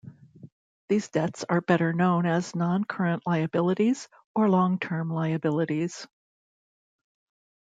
These debts are better known as non-current liabilities or long-term liabilities.